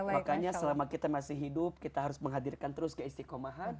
makanya selama kita masih hidup kita harus menghadirkan terus keistikomahan